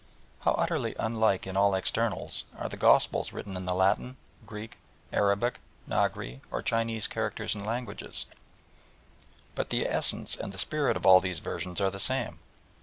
How utterly unlike in all externals are the Gospels written in the Latin, Greek, Arabic, Nagri, or Chinese characters and languages, but the essence and the spirit of all these versions are the same.